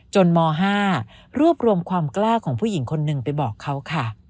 ม๕รวบรวมความกล้าของผู้หญิงคนหนึ่งไปบอกเขาค่ะ